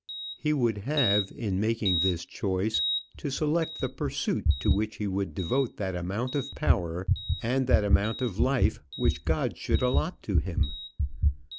He would have, in making this choice, to select the pursuit to which he would devote that amount of power and that amount of life which God should allot to him.